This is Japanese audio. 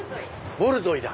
ボルゾイだ！